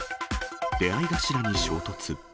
出会い頭に衝突。